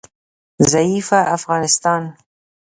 ضعیفه افغانستان